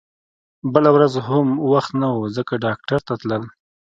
بله ورځ هم وخت نه و ځکه ډاکټر ته تلل